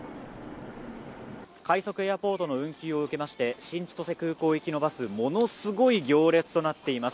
快速エアポートの運休を受けまして新千歳空港行きのバスものすごい行列となっています。